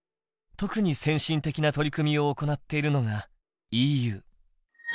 特に先進的な取り組みを行っているのがＥＵ。